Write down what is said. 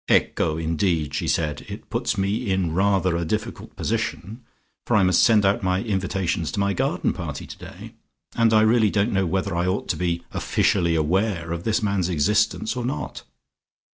"Ecco indeed!" she said. "It puts me in rather a difficult position, for I must send out my invitations to my garden party today, and I really don't know whether I ought to be officially aware of this man's existence or not.